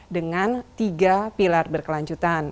dengan tiga pilar berkelanjutan